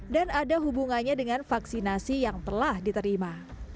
dan ada hubungannya dengan vaksinasi yang telah diterima